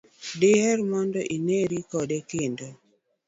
diher mondo ineri kode kendo?